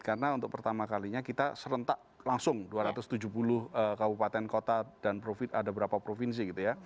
karena untuk pertama kalinya kita serentak langsung dua ratus tujuh puluh kabupaten kota dan ada beberapa provinsi